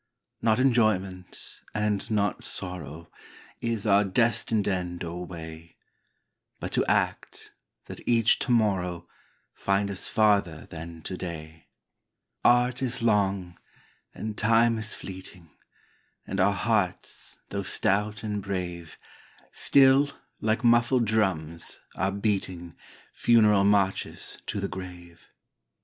VOICES OF THE NIGHT. Not enjoyment, and not sorrow, Is our destined end or way ; But to act, that each to morrow Find us farther than to day. Art is long, and Time is fleeting, And our hearts, though stout and brave, Still, like muffled drums, are beating Funeral marches to the grave.